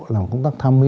làm công tác tham mưu